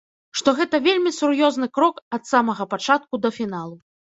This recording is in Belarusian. Што гэта вельмі сур'ёзны крок ад самага пачатку да фіналу.